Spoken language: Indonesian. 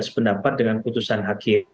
sependapat dengan putusan hakim